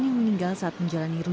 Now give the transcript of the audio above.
yang ada di kudus dulu